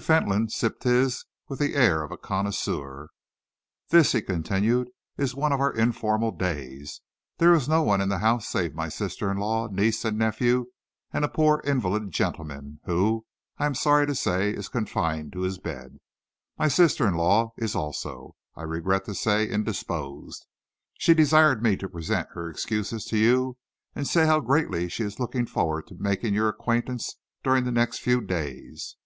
Fentolin sipped his with the air of a connoisseur. "This," he continued, "is one of our informal days. There is no one in the house save my sister in law, niece, and nephew, and a poor invalid gentleman who, I am sorry to say, is confined to his bed. My sister in law is also, I regret to say, indisposed. She desired me to present her excuses to you and say how greatly she is looking forward to making your acquaintance during the next few days."